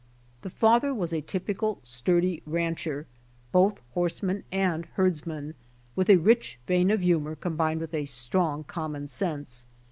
The father was a typical sturdy rancher, both horseman and herdsman, with a rich vein of humor combined with strong commion sense.